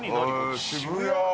渋谷。